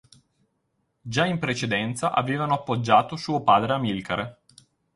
Già in precedenza avevano appoggiato suo padre Amilcare.